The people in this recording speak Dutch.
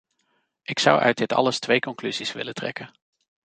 Ik zou uit dit alles twee conclusies willen trekken.